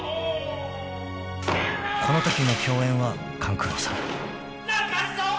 ［このときの共演は勘九郎さん］